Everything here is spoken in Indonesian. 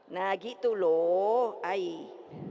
nah gitu loh